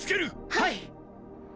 はい！